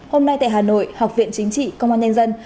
hôm nay tại hà nội học viện chính trị công an nhân dân